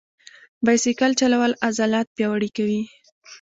بایسکل چلول عضلات پیاوړي کوي.